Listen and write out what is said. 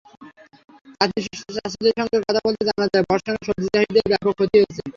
চাষিদের সঙ্গে কথা বলে জানা যায়, বর্ষণে সবজিচাষিদের ব্যাপক ক্ষতি হয়েছে।